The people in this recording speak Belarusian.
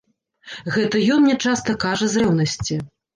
Гэта ён мне часта кажа з рэўнасці.